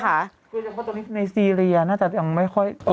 เพราะว่าตอนนี้ในซีเรียน่าจะยังไม่ค่อย